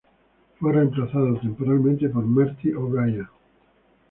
Fue reemplazado temporalmente por Marty O'Brien.